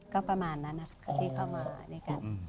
ก็ประมาณนั้นที่เข้ามาด้วยกัน